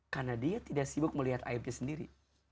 karena dia tidak sibuk melihat aibnya sendiri